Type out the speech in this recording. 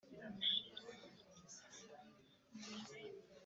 hashize akanya ruti «ngaho dupfe kunywana,